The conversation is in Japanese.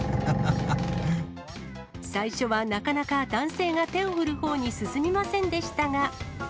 最初はなかなか男性が手を振るほうに進みませんでしたが。